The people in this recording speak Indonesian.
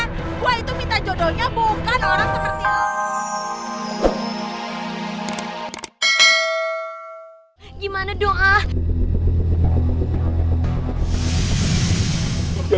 gua itu minta jodohnya bukan orang seperti